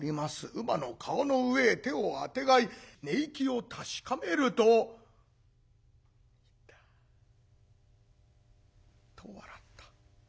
乳母の顔の上へ手をあてがい寝息を確かめるとニタッと笑った。